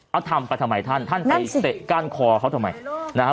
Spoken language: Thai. เอาทำไปทำไมท่านท่านไปเตะก้านคอเขาทำไมนะฮะ